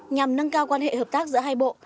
nhằm nâng cao quan hệ hợp tác giữa hai bộ